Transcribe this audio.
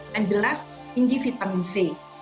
yang jelas tinggi vitamin c